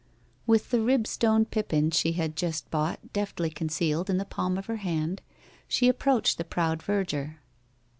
With the Ribstone pippin she had just bought deftly concealed in the palm of her hand, she approached the proud verger.